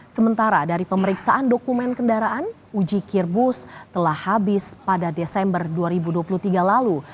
sementara dari pemeriksaan dokumen kendaraan ujikir bus telah habis pada desember dua ribu dua puluh tiga lalu